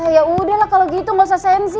yaudah lah kalo gitu gak usah sensi